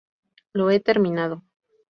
Lo he terminado!